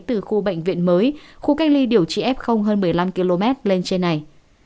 từ khu bệnh viện mới khu cách ly điều trị f hơn một mươi năm km lên trên này